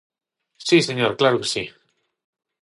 Si, señor, ¡claro que si!